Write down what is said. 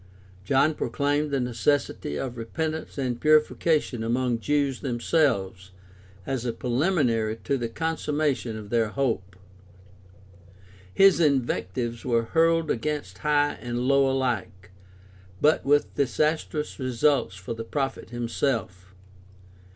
John proclaimed the necessity of repentance and purification among Jews themselves as a preliminary to the consummation of their hope. His invectives were hurled against high and low alike, but with disastrous results for the prophet himself.